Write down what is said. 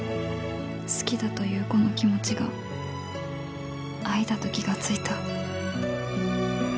好きだというこの気持ちが愛だと気がついた